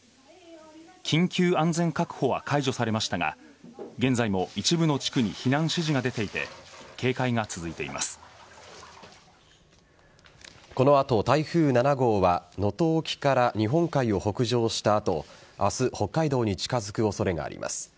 緊急安全確保は解除されましたが現在も一部の地区に避難指示が出ていてこの後、台風７号は能登沖から日本海を北上した後明日北海道に近づく恐れがあります。